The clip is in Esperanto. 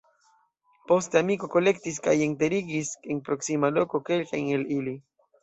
Poste amiko kolektis kaj enterigis en proksima loko kelkajn el ili.